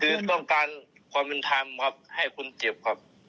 คือต้องการความเป็นธรรมครับให้คนเจ็บครับ